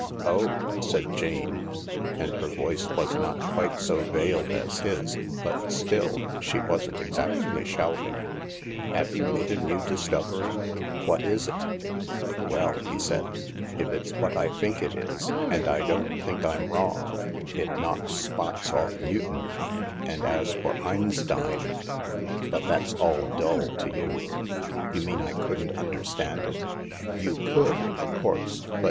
" Oh," said Jane, and her voice was not quite so veiled as his — but still, she wasn't exactly shouting, " have you made a new discovery ? What is it ?"" Well," he said, "if it's what I think it is— and I don't think I'm wrong — it knocks spots off Newton. And as for Einstein But that's all dull to you ..."" You mean I couldn't understand it ?" "You could, of course, but.